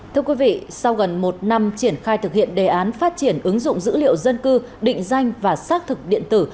thưa quý vị sau gần một năm triển khai thực hiện đề án phát triển ứng dụng dữ liệu dân cư định danh và xác thực điện tử